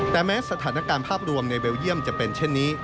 แต่แม้สถานการณ์ภาพรวมในเบลเยี่ยมจะเป็นเช่นนี้